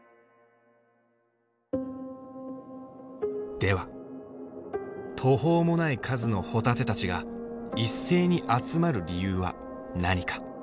では途方もない数のホタテたちが一斉に集まる理由は何か？